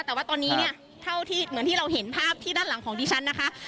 แต่ว่าตอนนี้เนี่ยเท่าที่เหมือนที่เราเห็นภาพที่ด้านหลังของดิฉันนะคะ